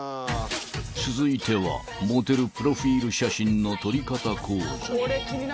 ［続いてはモテるプロフィル写真の撮り方講座］